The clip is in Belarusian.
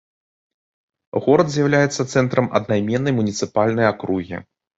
Горад з'яўляецца цэнтрам аднайменнай муніцыпальнай акругі.